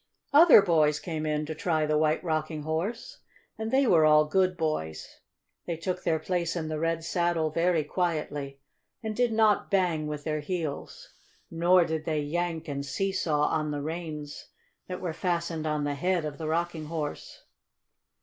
Other boys came in to try the White Rocking Horse, and they were all good boys. They took their place in the red saddle very quietly, and did not bang with their heels. Nor did they yank and seesaw on the reins that were fastened on the head of the Rocking Horse.